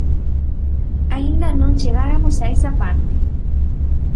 Aínda non chegáramos a esa parte.